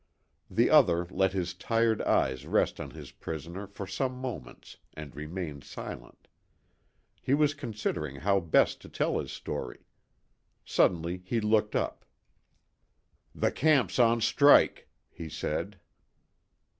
The other let his tired eyes rest on his prisoner for some moments and remained silent. He was considering how best to tell his story. Suddenly he looked up. "The camp's on 'strike,'" he said.